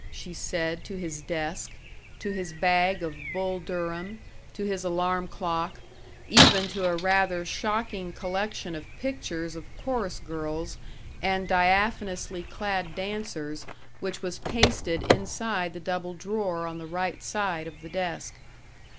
she said to his desk, to his bag of Bull Durham, to his alarm clock even to a rather shocking collection of pictures of chorus girls and diaphanously clad dancers which was pasted inside the double drawer on the right side of the desk.